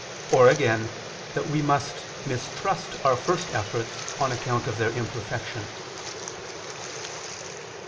Or again, that we must mistrust our first efforts, on account of their imperfection.